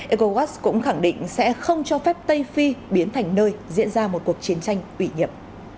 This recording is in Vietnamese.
ecowas cũng khẳng định sẽ không cho phép tây phi biến thành nơi diễn ra một cuộc chiến tranh ủy nhiệm